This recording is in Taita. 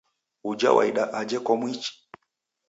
Uja waida aja kwamuichi?